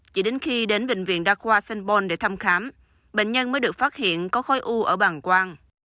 chỉ đến khi đến bệnh viện đa khoa st paul để thăm khám bệnh nhân mới được phát hiện có khói u ở bảng quang